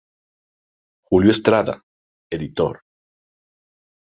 Julio Estrada, editor.